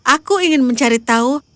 aku ingin mencari tahu